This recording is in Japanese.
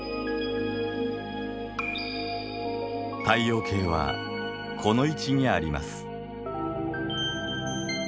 太陽系はこの位置にあります。